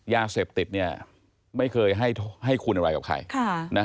ยาเสพติดเนี่ยไม่เคยให้คุณอะไรกับใคร